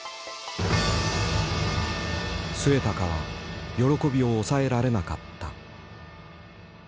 末高は喜びを抑えられなかった。